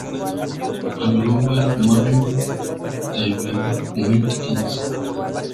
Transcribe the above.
A Global Marine Development Inc.